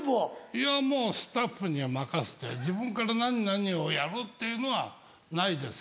いやもうスタッフに任せて自分から何々をやるっていうのはないですね。